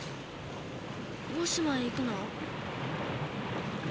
大島へ行くの？